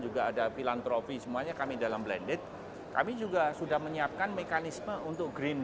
juga ada filantrofi semuanya kami dalam blended kami juga sudah menyiapkan mekanisme untuk green